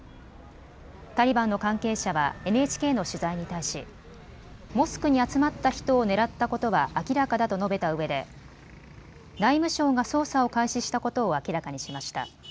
タリバンの関係者はＮＨＫの取材に対しモスクに集まった人を狙ったことは明らかだと述べたうえで内務省が捜査を開始したことを明らかにしました。